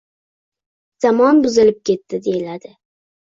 Zamon buzilib ketdi, deyiladi.